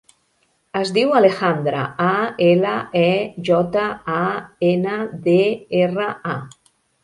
Es diu Alejandra: a, ela, e, jota, a, ena, de, erra, a.